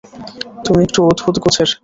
তুমি একটু অদ্ভুত গোছের।